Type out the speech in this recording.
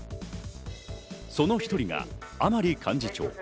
その一人が甘利幹事長。